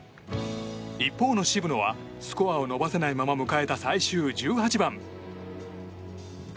一方の渋野はスコアを伸ばせないまま迎えた最終１８番。